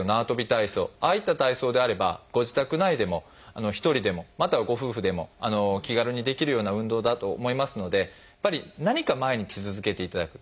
体操ああいった体操であればご自宅内でも１人でもまたはご夫婦でも気軽にできるような運動だと思いますのでやっぱり何か毎日続けていただく。